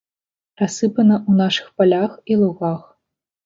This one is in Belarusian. Рассыпана ў нашых палях і лугах.